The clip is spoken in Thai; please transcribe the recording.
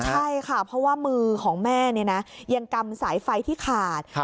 ใช่ค่ะเพราะว่ามือของแม่เนี่ยนะยังกำสายไฟที่ขาด